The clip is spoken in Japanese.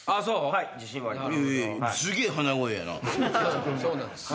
はい自信はあります。